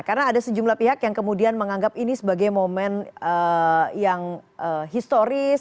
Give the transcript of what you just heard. karena ada sejumlah pihak yang kemudian menganggap ini sebagai momen yang historis